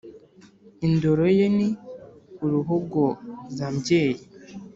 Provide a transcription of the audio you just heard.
indoro ye ni uruhogozambyeyi,